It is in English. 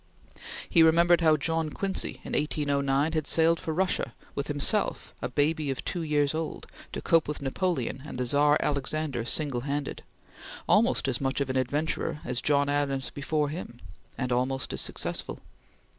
He remembered how John Quincy, in 1809, had sailed for Russia, with himself, a baby of two years old, to cope with Napoleon and the Czar Alexander single handed, almost as much of an adventurer as John Adams before him, and almost as successful.